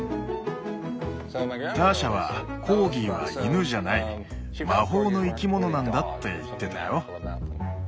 ターシャはコーギーは犬じゃない魔法の生き物なんだって言ってたよ。